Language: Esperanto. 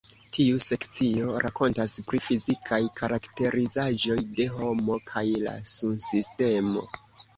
Tiu sekcio rakontas pri fizikaj karakterizaĵoj de homo kaj la Sunsistemo.